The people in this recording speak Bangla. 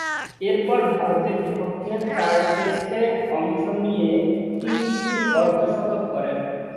এরপর ভারতের বিপক্ষে চার টেস্টে অংশ নিয়ে তিনটি অর্ধ-শতক করেন।